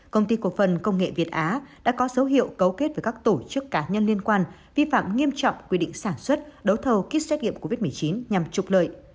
công ty cổ phần công nghệ việt á đã có dấu hiệu cấu kết với các tổ chức cá nhân liên quan vi phạm nghiêm trọng quy định sản xuất đấu thầu kit xét nghiệm covid một mươi chín nhằm trục lợi